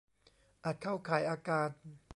อาจเข้าข่ายอาการ